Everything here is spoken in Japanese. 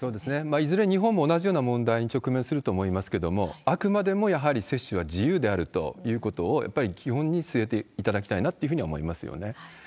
いずれ日本も同じような問題に直面すると思いますけれども、あくまでもやはり接種は自由であるということを、やっぱり基本に据えていただきたいなというふうには思いますよね。